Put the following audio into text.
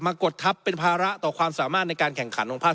กดทัพเป็นภาระต่อความสามารถในการแข่งขันของภาค